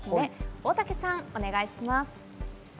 大竹さん、お願いします。